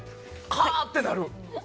カー！ってなる。